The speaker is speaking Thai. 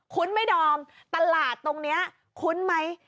ไหมดอมตลาดตรงนี้คุ้นไหม